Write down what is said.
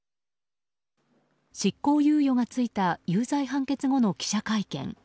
執行猶予が付いた有罪判決後の記者会見。